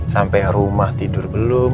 sampai rumah tidur belum